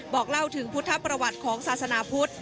บอกเล่าถึงพุทธประวัติของศาสนาพุทธ